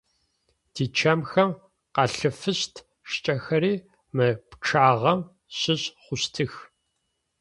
Тичэмхэм къалъфыщт шкӏэхэри мы пчъагъэм щыщ хъущтых.